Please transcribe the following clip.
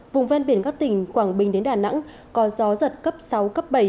vùng ven biển các tỉnh quảng bình đến đà nẵng có gió giật cấp sáu cấp bảy